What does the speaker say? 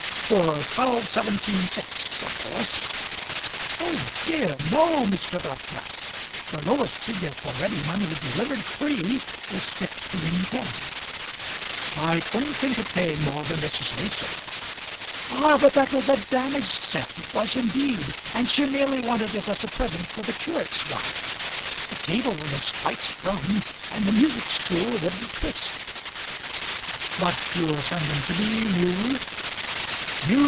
"For twelve seventeen six, of course?" "Oh! dear no, Mr. Dockwrath. The lowest figure for ready money, delivered free, is fifteen ten." "I couldn't think of paying more than Mrs. Mason." "Ah! but that was a damaged set; it was, indeed. And she merely wanted it as a present for the curate's wife. The table was quite sprung, and the music stool wouldn't twist." "But you'll send them to me new?"